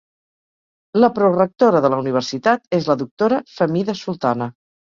La prorrectora de la universitat és la doctora Fehmida Sultana.